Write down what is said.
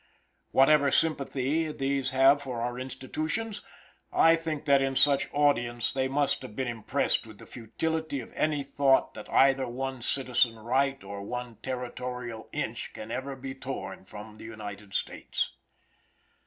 Whatever sympathy these have for our institutions, I think that in such audience they must have been impressed with the futility of any thought that either one citizen right or one territorial inch can ever be torn from the United States.